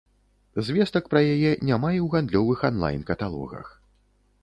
Звестак пра яе няма і ў гандлёвых анлайн-каталогах.